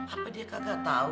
apa dia kagak tau